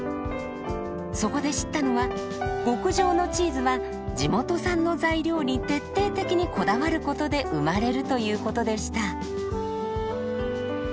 そこで知ったのは極上のチーズは地元産の材料に徹底的にこだわることで生まれるということでした。